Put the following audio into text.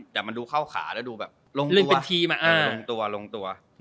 แต่มันดูเข้าขาแล้วดูลงตัว